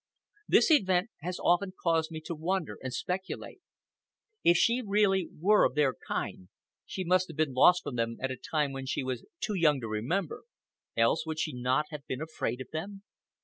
This event has often caused me to wonder and speculate. If she were really of their kind, she must have been lost from them at a time when she was too young to remember, else would she not have been afraid of them.